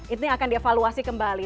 ini akan dievaluasi kembali